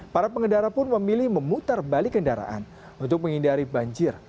para pengendara pun memilih memutar balik kendaraan untuk menghindari banjir